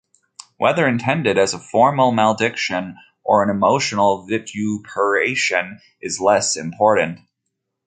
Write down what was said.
Whether intended as a formal malediction or an emotional vituperation is less important.